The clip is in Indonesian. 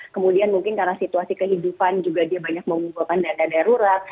kemudian mungkin karena situasi kehidupan juga dia banyak mengumpulkan dana darurat